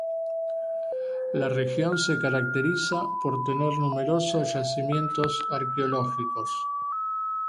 La región se caracteriza por tener numerosos yacimientos arqueológicos.